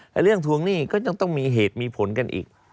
แต่เรื่องทวงหนี้ก็ยังต้องมีเหตุมีผลกันอีก